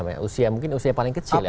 usia mungkin usia paling kecil ya